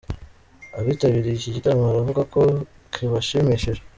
Abitabiriye iki gitaramo baravuga ko kibashimishije.